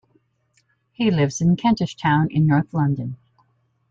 He lives in Kentish Town in north London.